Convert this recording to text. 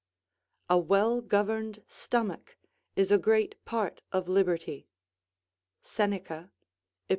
["A well governed stomach is a great part of liberty." Seneca, Ep.